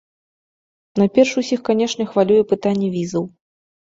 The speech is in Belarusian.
Найперш, усіх, канешне, хвалюе пытанне візаў.